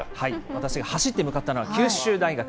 私が走って向かったのは九州大学。